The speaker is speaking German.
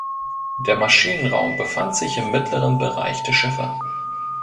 Der Maschinenraum befand sich im mittleren Bereich der Schiffe.